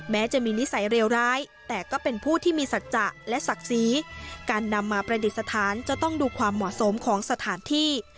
แม้จะมีนิสัยเรวร้ายแต่ก็เป็นผู้ที่มีสัจจะและศักดิ์ศรีการนำมาประดิษฐานจะต้องดูความเหมาะสมของสถานที่